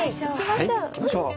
行きましょう。